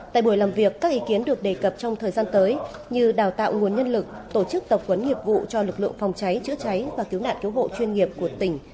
tại buổi làm việc các ý kiến được đề cập trong thời gian tới như đào tạo nguồn nhân lực tổ chức tập huấn nghiệp vụ cho lực lượng phòng cháy chữa cháy và cứu nạn cứu hộ chuyên nghiệp của tỉnh